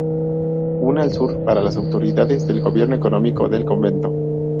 Una, al sur, para las autoridades del gobierno económico del convento.